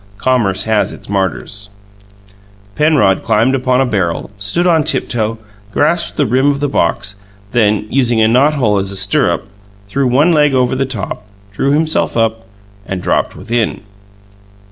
Commerce has its martyrs. Penrod climbed upon a barrel, stood on tiptoe, grasped the rim of the box; then, using a knot hole as a stirrup, threw one leg over the top, drew himself up, and dropped within.